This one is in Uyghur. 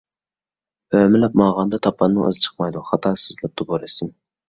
ئۆمىلەپ ماڭغاندا تاپاننىڭ ئىزى چىقمايدۇ. خاتا سىزىلىپتۇ بۇ رەسىم.